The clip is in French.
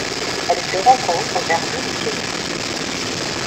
Elle se rencontre vers Wulicun.